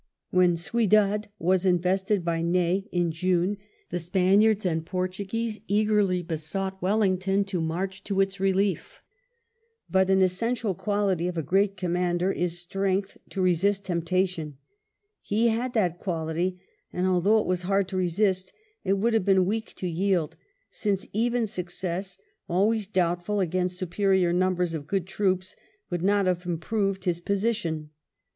When Ciudad was invested by Ney in June, the Spaniards and Portuguese eagerly besought Wellington to march to its relief ; but an essential quality of a great commander is strength to resist temptation. He had that quality; and, although it was hard to resist^ it would have been weak to yield, since even success, always doubtful against superior numbers of good troops, would not have improved his position.